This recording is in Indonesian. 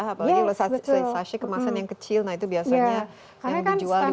apalagi kalau sachet kemasan yang kecil nah itu biasanya yang dijual di warung warung